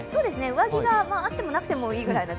上着があってもなくてもいいくらいな